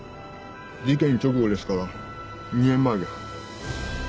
事件直後ですから２年前だよ。